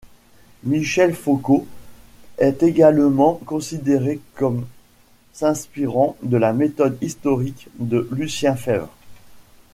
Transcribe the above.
Michel Foucault est également considéré comme s'inspirant de la méthode historique de Lucien Febvre.